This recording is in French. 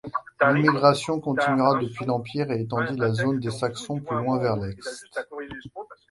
L'immigration continua depuis l'Empire et étendit la zone des Saxons plus loin vers l'est.